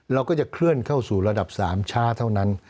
เราก็จะเคลื่อนเข้าสู่ระดับ๓ช้าเท่านั้น